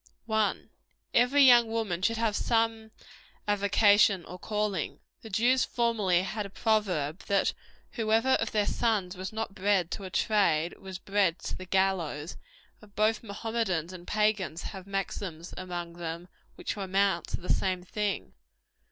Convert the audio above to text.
1. Every young woman should have some avocation, or calling. The Jews formerly had a proverb, that whoever of their sons was not bred to a trade, was bred to the gallows; and both Mohammedans and Pagans have maxims among them which amount to the same thing.